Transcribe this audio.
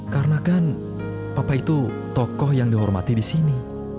karena kan papa itu tokoh yang dihormati di sini